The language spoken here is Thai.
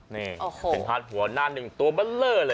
นี่เห็นพาดหัวหน้าหนึ่งตัวบันเล่อเลยนะค่ะวันนี้